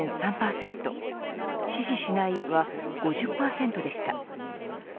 支持しないは５０％でした。